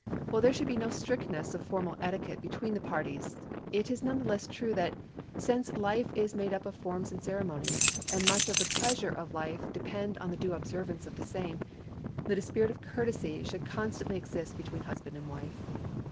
While there should be no strictness of formal etiquette between the parties, it is none the less true that, since life is made up of forms and ceremonies, and much of the pleasures of life depend on the due observance of the same, that a spirit of courtesy should constantly exist between husband and wife.